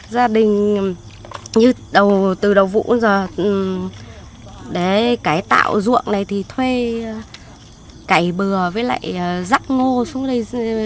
gia đình từ đầu vụ đến giờ cải tạo ruộng này thì thuê cải bừa với lại rắc ngô xuống đây